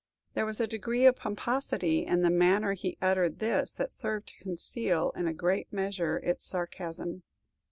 There was a degree of pomposity in the manner he uttered this that served to conceal in a great measure its sarcasm.